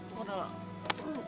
kalau enggak udah